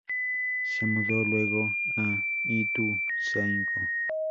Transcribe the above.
Se mudó luego a Ituzaingó.